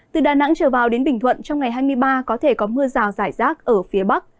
từ đà nẵng trở vào đến bình thuận trong ngày hai mươi ba có thể có mưa rào rải rác ở phía bắc